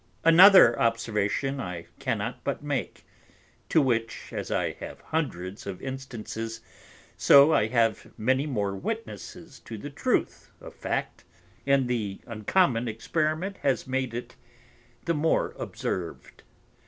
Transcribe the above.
Another Observation I cannot but make; to which, as I have Hundreds of Instances, so I have many more Witnesses to the Truth of Fact, and the uncommon Experiment has made it the more observ'd.